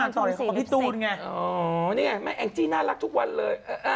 แองจี้น่ารักทุกวันเลย